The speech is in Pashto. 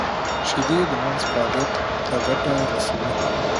• شیدې د مغز فعالیت ته ګټه رسوي.